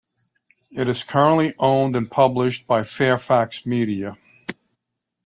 It is currently owned and published by Fairfax Media.